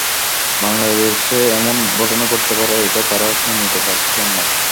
বাংলাদেশে এমন ঘটনা ঘটতে পারে এটা তাঁরা মেনে নিতে পারছিলেন না।